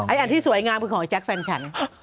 อันที่สวยงามคือของไอแจ๊คแฟนฉัน